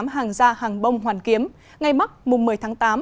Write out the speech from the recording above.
ba mươi tám hàng gia hàng bông hoàn kiếm ngày mắc một mươi tháng tám